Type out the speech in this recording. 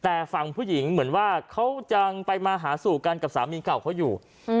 แต่ฝั่งผู้หญิงเหมือนว่าเขายังไปมาหาสู่กันกับสามีเก่าเขาอยู่